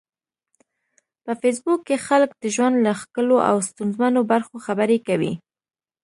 په فېسبوک کې خلک د ژوند له ښکلو او ستونزمنو برخو خبرې کوي